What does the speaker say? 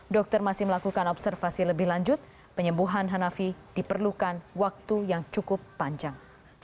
dokter masih melakukan observasi lebih lanjut penyembuhan hanafi diperlukan waktu yang cukup panjang